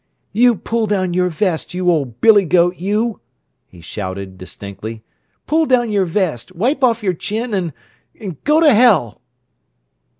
"You pull down your vest, you ole Billygoat, you!" he shouted, distinctly. "Pull down your vest, wipe off your chin—an' go to hell!"